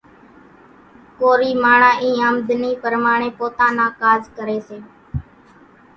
ڪورِي ماڻۿان اِي آمۮنِي پرماڻيَ پوتا نان ڪاز ڪريَ سي۔